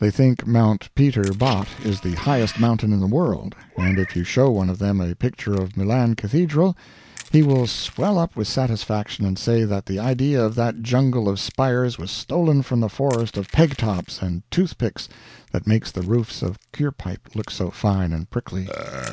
They think Mount Peter Botte is the highest mountain in the world, and if you show one of them a picture of Milan Cathedral he will swell up with satisfaction and say that the idea of that jungle of spires was stolen from the forest of peg tops and toothpicks that makes the roofs of Curepipe look so fine and prickly.